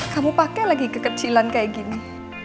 kamu pakai lagi kekecilan kayak gini